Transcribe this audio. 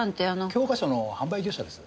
教科書の販売業者です。